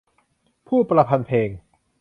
ผู้ประพันธ์เพลง